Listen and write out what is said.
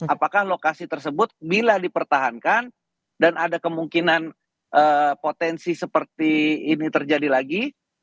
apakah lokasi tersebut bila dipertahankan dan ada kemungkinan potensi seperti ini terjadi lagi